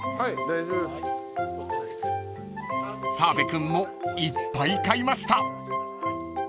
［澤部君もいっぱい買いました］